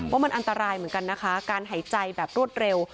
ว่ามันอันตรายเหมือนกันนะคะการหายใจแบบรวดเร็ว